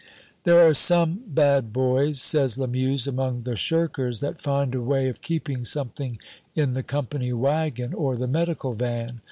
"There are some bad boys," says Lamuse, "among the shirkers, that find a way of keeping something in the company wagon or the medical van.